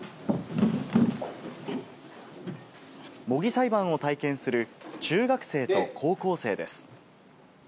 模擬裁判を体験する中学生と高校生です。